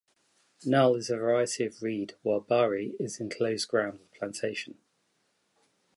Nal is variety of reed while Bari is enclosed ground with plantation.